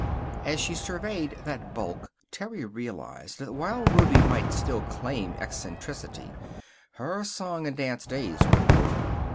As she surveyed that bulk Terry realized that while Ruby might still claim eccentricity, her song and dance days were over.